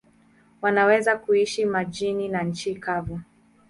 Wanaweza kuishi majini na nchi kavu.